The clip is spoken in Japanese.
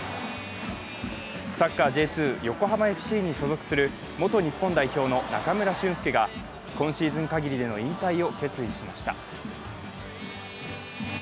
サッカーＪ２、横浜ＦＣに所属する元日本代表の中村俊輔が今シーズン限りでの引退を決意しました。